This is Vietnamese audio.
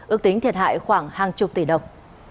ước tính thiệt hại khoảng hàng chục tỷ đồng